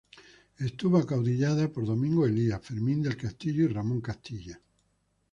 Estuvo acaudillada por Domingo Elías, Fermín del Castillo y Ramón Castilla.